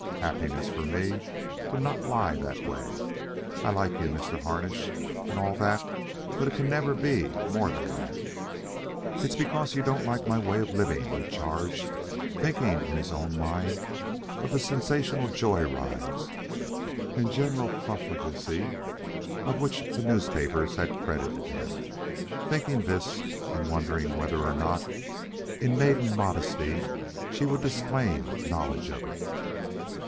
Happiness, for me, would not lie that way. I like you, Mr. Harnish, and all that, but it can never be more than that." "It's because you don't like my way of living," he charged, thinking in his own mind of the sensational joyrides and general profligacy with which the newspapers had credited him thinking this, and wondering whether or not, in maiden modesty, she would disclaim knowledge of it.